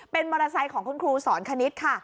เป็นมอเตอร์ไซค์ของคุณครูสอนคณิตค่ะ